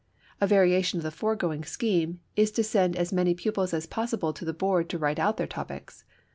A variation of the foregoing scheme is to send as many pupils as possible to the board to write out their topics.